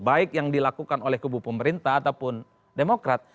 baik yang dilakukan oleh kubu pemerintah ataupun demokrat